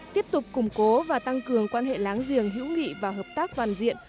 tiếp tục củng cố và tăng cường quan hệ láng giềng hữu nghị và hợp tác toàn diện